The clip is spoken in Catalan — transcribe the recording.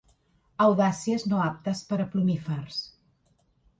Audàcies no aptes per a plomífers.